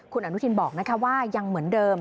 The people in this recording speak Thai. คุณอนุทินบอกว่ายังเหมือนเดิม